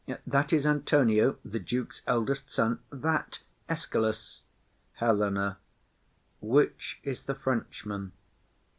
That is Antonio, the Duke's eldest son; That Escalus. HELENA. Which is the Frenchman?